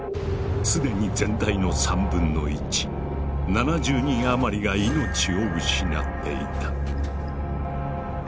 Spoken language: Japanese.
すでに全体の３分の１７０人余りが命を失っていた。